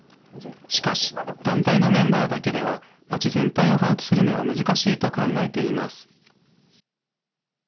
しかし、団体のメンバーだけでは町全体を把握するのは難しいと考えています。